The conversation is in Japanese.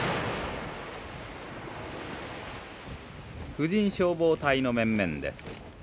婦人消防隊の面々です。